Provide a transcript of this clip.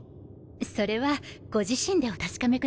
それはご自身でお確かめください。